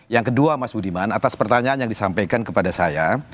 yang kedua mas budiman atas pertanyaan yang disampaikan kepada saya